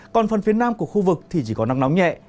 còn phần phía nam của khu vực thì chỉ có nắng nóng nhẹ